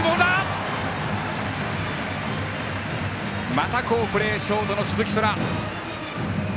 また好プレー、ショートの鈴木昊。